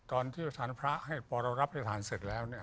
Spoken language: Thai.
ตอนที่ท่านพระให้พระรับพระทานเสร็จแล้วเนี่ย